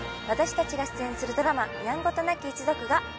私たちが出演するドラマ『やんごとなき一族』が。